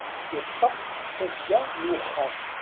Yeṭṭef tasga n uxxam.